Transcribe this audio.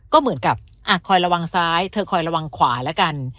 ก็เหมือนกับอ่ะคอยระวังซ้ายเธอคอยระวังขวาแล้วกัน